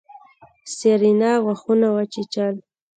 سېرېنا غاښونه وچيچل.